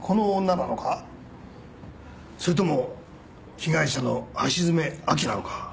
それとも被害者の橋爪亜希なのか。